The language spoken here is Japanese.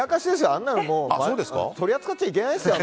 あんなの取り扱っちゃいけないですよ。